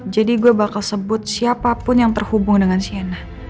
jadi gue bakal sebut siapapun yang terhubung dengan sienna